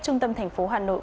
ở trung tâm thành phố hà nội